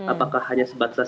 apakah hanya sebatas